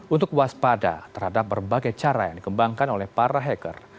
untuk waspada terhadap berbagai cara yang dikembangkan oleh para hacker